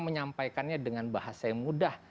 menyampaikannya dengan bahasa yang mudah